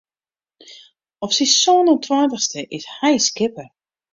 Op syn sân en tweintichste is hy skipper.